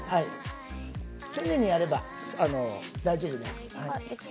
丁寧にやれば大丈夫です。